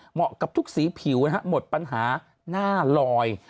เหมาะกับทุกสีผิวหมดปัญหาหน้าลอย